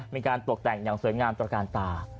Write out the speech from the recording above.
มีการตกแต่งอย่างสวยงามตระการตา